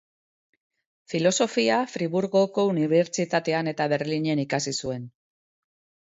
Filosofia Friburgoko Unibertsitatean eta Berlinen ikasi zuen.